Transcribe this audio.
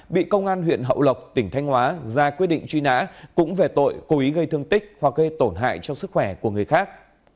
bị công an huyện hậu lộc tỉnh thanh hóa ra quyết định truy nã cũng về tội cố ý gây thương tích hoặc gây tổn hại cho sức khỏe của người khác